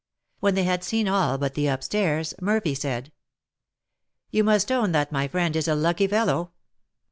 When they had seen all but the up stairs, Murphy said: "You must own that my friend is a lucky fellow.